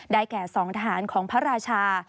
ได้แก่สองทหารของพระราชา